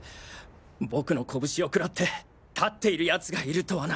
僕の拳を食らって立っている奴がいるとはな。